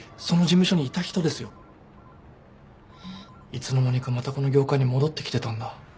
いつの間にかまたこの業界に戻ってきてたんだ。